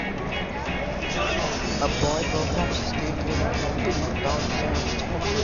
A boy performs a skateboarding trick down a set of stairs